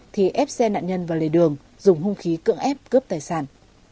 thì ép xe nạn nhân vào lề đường dùng hung khí cưỡng ép cướp tài sản